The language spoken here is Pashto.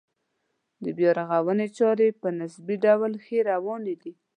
د بیا رغونې چارې په نسبي ډول ښې روانې دي.